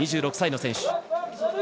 ２６歳の選手。